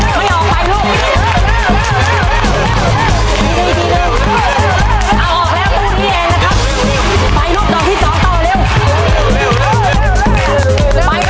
แค่ใช้ออกไปลูก